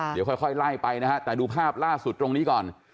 เดี๋ยวค่อยไล่ไปนะฮะแต่ดูภาพล่าสุดตรงนี้ก่อน